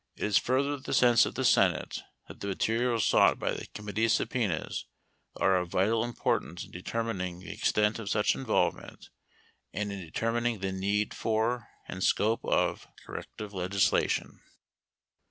It is further the sense of the Senate that the 17 materials sought by the committee's subpenas are of vital 18 importance in determining the extent of such involvement 19 and in determining the need for and scope of corrective 20 legislation.